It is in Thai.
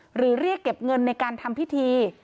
เรียกเก็บเงินในการทำพิธี